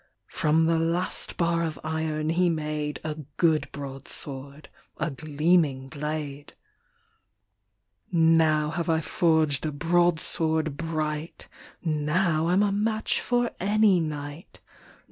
From the last bar of iron he made A good broadsword — a gleaming blade. " Now have I forged a broadsword bright. Now Fm a match for any knight.